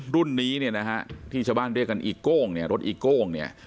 รุ่นนี้นี่นะฮะที่จบันเรียกกันอีกต้องเนี้ยรถอีกโล่งเนี่ย